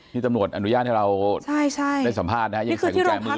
นี่ตำรวจอนุญาตให้เราได้สัมภาษณ์นะครับยังใส่กุญแจมืออยู่นะครับ